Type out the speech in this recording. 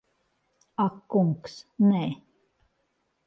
Ak kungs, nē.